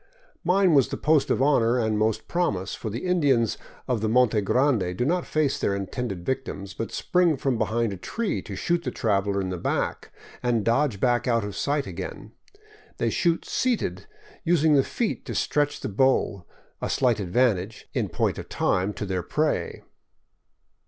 Mine was the post of honor and most promise, for the Indians of the Monte Grande do not face their intended victims, but spring from behind a tree to shoot the traveler in the back, and dodge back out of sight again. They shoot seated, using the feet to stretch the bow, a slight advantage, in point of time, to their prey.